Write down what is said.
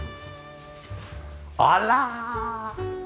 あら！